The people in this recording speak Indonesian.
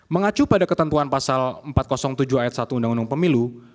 mengacu pada ketentuan pasal empat ratus tujuh ayat satu undang undang pemilu